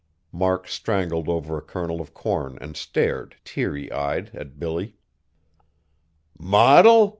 Mark strangled over a kernel of corn and stared, teary eyed, at Billy. "Modil?"